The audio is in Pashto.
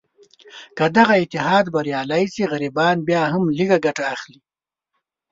که دغه اتحاد بریالی شي، غریبان بیا هم لږه ګټه اخلي.